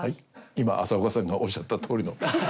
今浅丘さんがおっしゃったとおりの。